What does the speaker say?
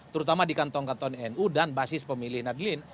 terutama di kantong kantong nu dan basis pemilih nadlin